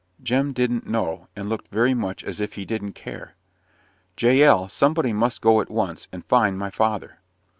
Jem "didn't know," and looked very much as if he didn't care. "Jael, somebody must go at once, and find my father."